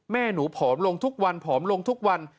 แม่หนูผอมลงทุกวันผอมลงทุกวัน